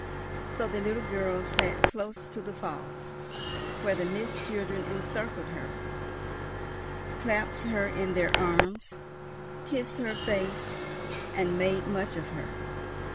So the little girl sat close to the falls, where the Mist children encircled her, clasped her in their arms, kissed her face, and made much of her.